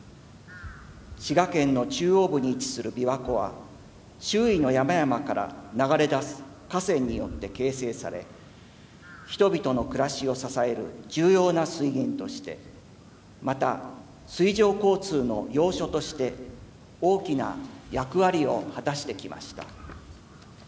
滋賀県の中央部に位置する琵琶湖は周囲の山々から流れ出す河川によって形成され人々の暮らしを支える重要な水源としてまた水上交通の要所として大きな役割を果たしてきました。